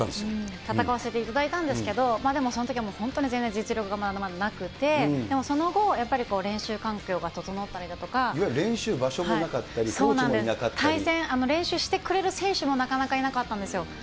戦わせていただいたんですけれども、でも、そのときはもう全然、実力がまだまだなくて、でもその後、いわゆる練習場所もなかった対戦、練習してくれる選手もなかなかいなかったんですよ。